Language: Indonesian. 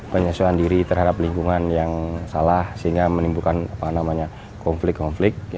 penyesuaian diri terhadap lingkungan yang salah sehingga menimbulkan konflik konflik